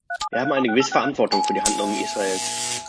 Wir haben eine gewisse Verantwortung für die Handlungen Israels.